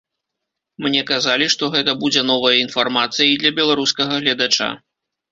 Мне казалі, што гэта будзе новая інфармацыя і для беларускага гледача.